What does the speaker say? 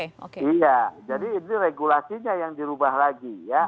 iya jadi ini regulasinya yang dirubah lagi ya